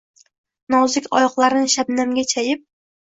Nozik oyoqlarin shabnamga chayib.